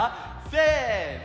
せの！